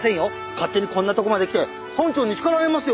勝手にこんなとこまで来て班長に叱られますよ！